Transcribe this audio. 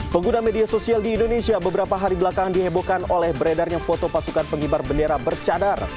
pengguna media sosial di indonesia beberapa hari belakang dihebohkan oleh beredarnya foto pasukan pengibar bendera bercadar